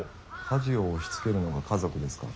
家事を押しつけるのが家族ですか？